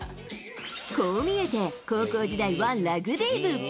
こう見えて、高校時代はラグビー部。